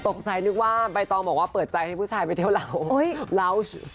นึกว่าใบตองบอกว่าเปิดใจให้ผู้ชายไปเที่ยวเรา